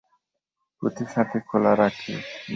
পুঁথি সাথে খুলিয়া রাখি, বোঠান।